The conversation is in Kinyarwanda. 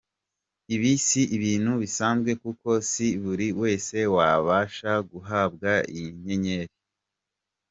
Ibi si ibintu bisanzwe kuko si buri wese wabasha guhabwa iyi nyenyeri.